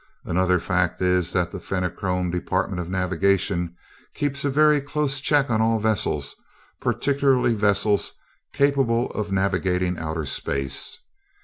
Another fact is that the Fenachrone Department of Navigation keeps a very close check upon all vessels, particularly vessels capable of navigating outer space.